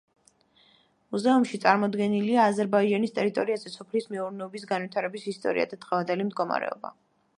მუზეუმში წარმოდგენილია აზერბაიჯანის ტერიტორიაზე სოფლის მეურნეობის განვითარების ისტორია და დღევანდელი მდგომარეობა.